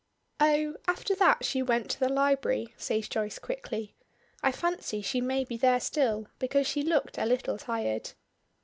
"Oh after that she went to the library," says Joyce quickly. "I fancy she may be there still, because she looked a little tired."